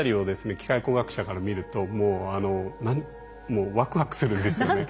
機械工学者から見るともうワクワクするんですよね。